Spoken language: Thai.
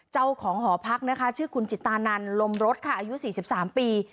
เจ้าของหอพักนะคะชื่อคุณจิตานันลมรถค่ะอายุ๔๓ปี